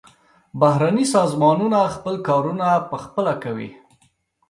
بهرني سازمانونه خپل کارونه پخپله کوي.